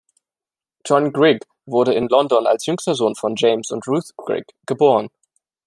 John Grigg wurde in London als jüngster Sohn von James und Ruth Grigg geboren.